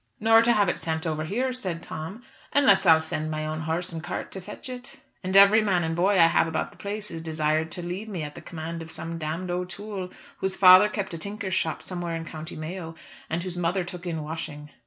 "Nor to have it sent over here," said Tom, "unless I'll send my own horse and cart to fetch it. And every man and boy I have about the place is desired to leave me at the command of some d d O'Toole, whose father kept a tinker's shop somewhere in County Mayo, and whose mother took in washing."